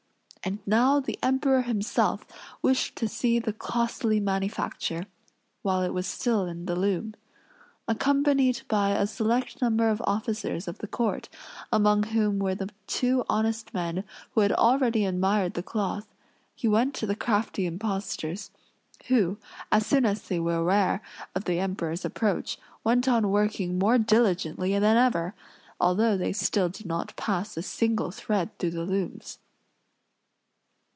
And now the Emperor himself wished to see the costly manufacture, while it was still in the loom. Accompanied by a select number of officers of the court, among whom were the two honest men who had already admired the cloth, he went to the crafty impostors, who, as soon as they were aware of the Emperor's approach, went on working more diligently than ever; although they still did not pass a single thread through the looms.